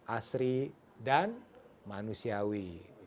asri dan manusiawi